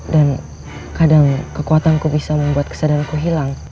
dan kadang kekuatanku bisa membuat kesadaranku hilang